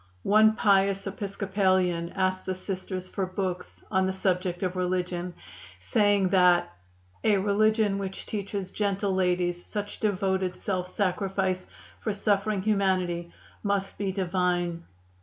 One pious Episcopalian asked the Sisters for books on the subject of religion, saying that 'a religion which teaches gentle ladies such devoted self sacrifice for suffering humanity must be Divine.